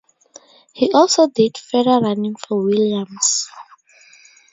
He also did further running for Williams.